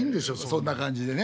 そんな感じでね。